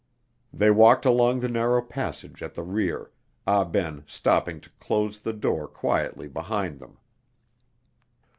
They walked along the narrow passage at the rear, Ah Ben stopping to close the door quietly behind them.